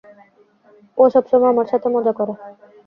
ও সবসময় আমার সাথে মজা করে।